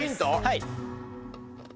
はい。